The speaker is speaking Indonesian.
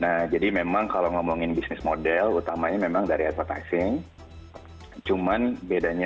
nah jadi memang kalau ngomongin bisnis model utamanya memang dari advertising cuman bedanya